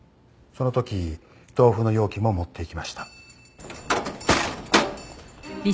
その時豆腐の容器も持っていきました。